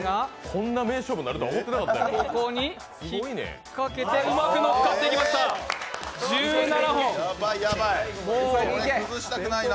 こんな名勝負になるとは思ってなかったよ。